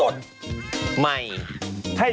ดีมากแอง